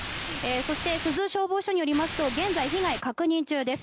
そして、珠洲消防署によりますと現在、被害を確認中です。